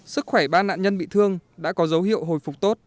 sức khỏe ba nạn nhân bị thương đã có dấu hiệu hồi phục tốt